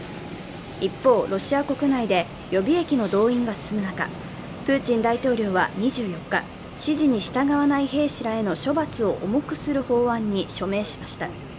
一方、ロシア国内で予備役の動員が進む中、プーチン大統領は２４日、指示に従わない兵士らへの処罰を重くする法案に署名しました。